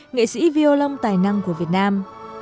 nghệ sĩ violon tài năng của việt nam